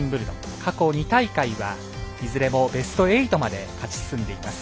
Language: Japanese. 過去２大会はいずれもベスト８まで勝ち進んでいます。